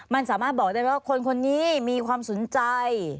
มันสามารถบอกได้ว่าคนนี้มีความสนใจ